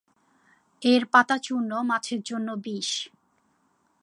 এর পাতা চূর্ণ মাছের জন্য বিষ।